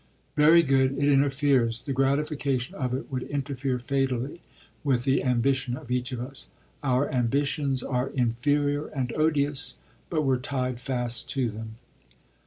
"Very good; it interferes, the gratification of it would interfere fatally, with the ambition of each of us. Our ambitions are inferior and odious, but we're tied fast to them."